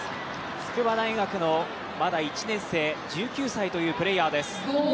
筑波大学の１年生、１９歳というプレーヤーです。